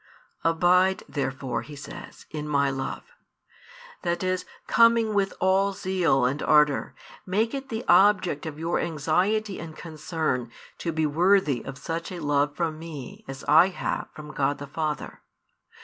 Abide therefore, He says, in My love; that is, coming with all zeal and ardour, make it the object of your anxiety and concern to be worthy of such a love from Me as I have from God the Father.